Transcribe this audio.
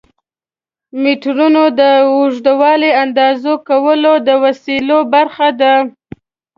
میټرونه د اوږدوالي د اندازه کولو د وسایلو برخه ده.